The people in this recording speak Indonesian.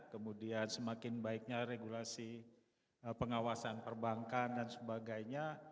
kemudian semakin baiknya regulasi pengawasan perbankan dan sebagainya